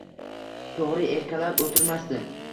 To`g`ri, erkalab o`tirmasdi